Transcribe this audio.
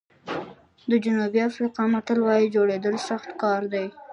د جنوبي افریقا متل وایي جوړېدل سخت کار دی.